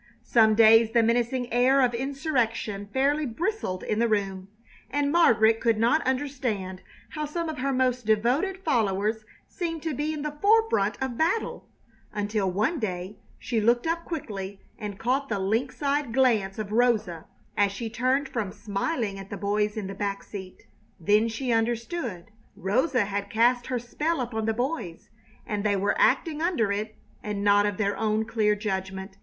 Some days the menacing air of insurrection fairly bristled in the room, and Margaret could not understand how some of her most devoted followers seemed to be in the forefront of battle, until one day she looked up quickly and caught the lynx eyed glance of Rosa as she turned from smiling at the boys in the back seat. Then she understood. Rosa had cast her spell upon the boys, and they were acting under it and not of their own clear judgment.